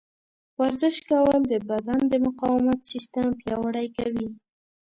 ورزش کول د بدن د مقاومت سیستم پیاوړی کوي.